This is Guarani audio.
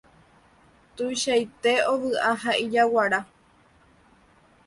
Tuichaite ovy'a ha ijaguara.